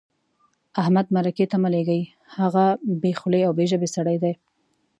احمد مرکې ته مه لېږئ؛ هغه بې خولې او بې ژبې سړی دی.